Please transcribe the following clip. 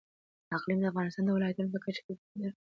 اقلیم د افغانستان د ولایاتو په کچه توپیر لري.